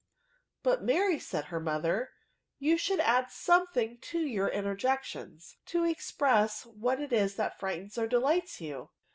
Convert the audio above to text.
" But, Mary," said her mother, " you should add something to your interjections to express what it is that frightens or delights you."